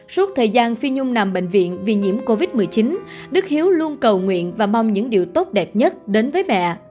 suốt thời gian phi nhung nằm bệnh viện vì nhiễm covid một mươi chín đức hiếu luôn cầu nguyện và mong những điều tốt đẹp nhất đến với mẹ